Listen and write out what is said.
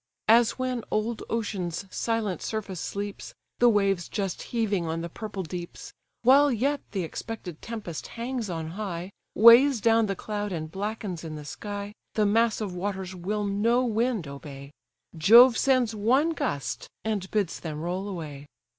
As when old ocean's silent surface sleeps, The waves just heaving on the purple deeps: While yet the expected tempest hangs on high, Weighs down the cloud, and blackens in the sky, The mass of waters will no wind obey; Jove sends one gust, and bids them roll away.